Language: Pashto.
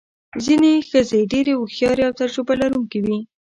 ځینې ښځې ډېرې هوښیارې او تجربه لرونکې وې.